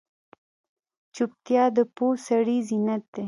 چوپتیا، د پوه سړي زینت دی.